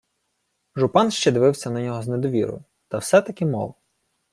Жупан ще дивився на нього з недовірою, та все-таки мовив: